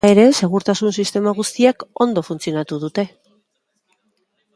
Hala ere, segurtasun-sistema guztiak ondo funtzionatu dute.